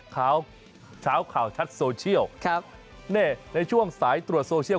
ข่าวข่าวชัดโซเชียลเนี่ยในช่วงสายตรวจโซเชียล